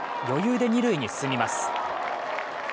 余裕で二塁に進みます。